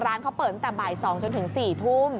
ร้านเขาเปิดตั้งแต่บ่าย๒จนถึง๔ทุ่ม